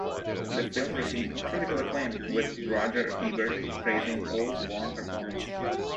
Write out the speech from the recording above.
The film received critical acclaim, with Roger Ebert praising Oh's warm performance.